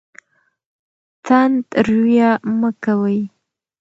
تند رویه مه کوئ.